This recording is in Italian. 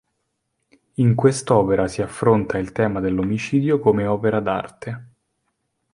In quest'opera si affronta il tema dell'omicidio come opera d'arte.